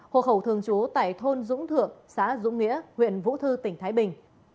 hộ khẩu thường trú tại thôn dũng thượng xã dũng nghĩa huyện vũ thư tỉnh thái bình